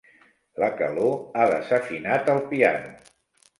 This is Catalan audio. La calor ha desafinat el piano.